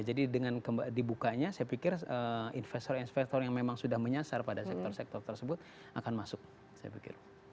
jadi dengan dibukanya saya pikir investor investor yang memang sudah menyasar pada sektor sektor tersebut akan masuk saya pikir